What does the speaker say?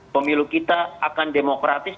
pemilu kita akan demokratis